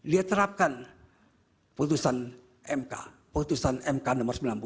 dia terapkan putusan mk putusan mk nomor sembilan puluh